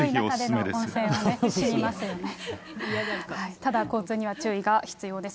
ただ、交通には注意が必要です。